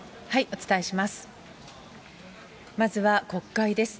お伝えします。